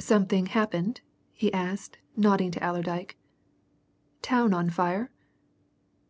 "Something happened?" he asked, nodding to Allerdyke. "Town on fire?"